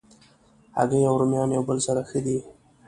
هګۍ او رومیان یو بل سره ښه دي.